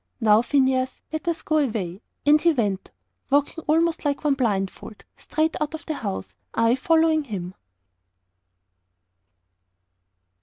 "Now, Phineas, let us go away." And he went, walking almost like one blindfold, straight out of the house, I following him.